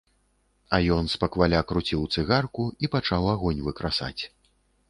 А ён спакваля круціў цыгарку і пачаў агонь выкрасаць.